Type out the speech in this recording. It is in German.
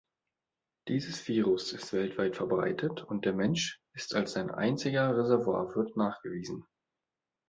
Dieses Virus ist weltweit verbreitet und der Mensch ist als sein einziger Reservoirwirt nachgewiesen.